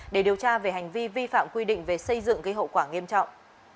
để điều tra về hành vi vi phạm quy định về xây dựng gây hậu quả nghiêm trọng